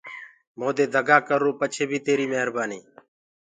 مودي دگآ ڪررو پڇي بيٚ تيريٚ مهربآنيٚ